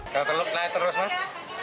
kalau teluk naik terus mas